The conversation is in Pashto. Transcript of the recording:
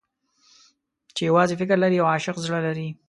چې يوازې فکر لري او عاشق زړه لري.